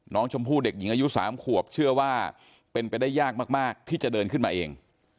น้องชมพู่เด็กหญิงอายุ๓ขวบเชื่อว่าเป็นไปได้ยากมากที่จะเดินขึ้นมาเอง